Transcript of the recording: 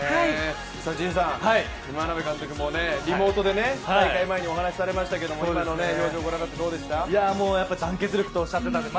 陣さん、眞鍋監督もリモートで大会前にお話しされましたが、今の表情をご覧になってどうでしたか？